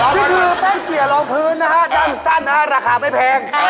ที่คือแป้งเกียร์รองพื้นน่ะฮะดั่งสัดนะฮะราคาไม่แพง